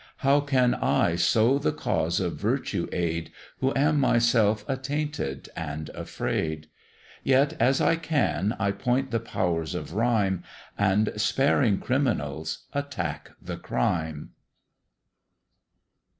How can I so the cause of Virtue aid, Who am myself attainted and afraid? Yet as I can, I point the powers of rhyme, And, sparing criminals, attack the crime.